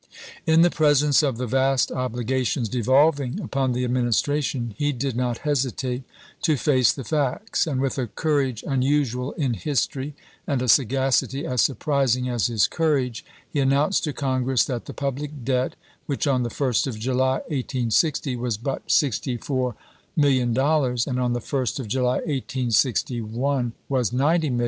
In the presence of the vast obligations devolving upon the Administration he did not hesitate to face the facts, and with a cour age unusual in history, and a sagacity as surpris ing as his courage, he announced to Congress that the public debt, which on the 1st of July, 1860, was but $64,000,000, and on the 1st of July, 1861, 230 ABEAHAM LINCOLN CH.u>. XI.